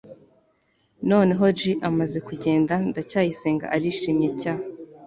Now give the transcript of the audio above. noneho j amaze kugenda, ndacyayisenga arishimye cy